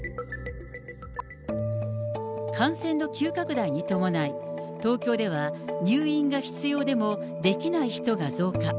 感染の急拡大に伴い、東京では入院が必要でもできない人が増加。